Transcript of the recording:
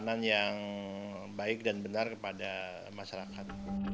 dan makanan yang baik dan benar kepada masyarakat